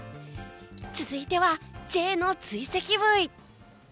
続いてはＪの追跡ブイ。